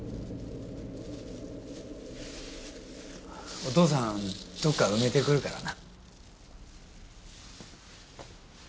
お父さんどこか埋めてくるからな。